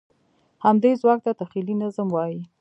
همدې ځواک ته تخیلي نظم وایي.